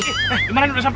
eh gimana ini udah sampe